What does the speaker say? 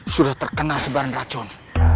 sudah terkena sebaran racun